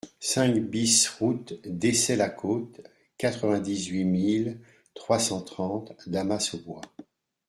cinq BIS route d'Essey-la-Côte, quatre-vingt-huit mille trois cent trente Damas-aux-Bois